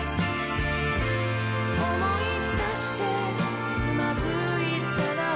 「思い出してつまずいたなら」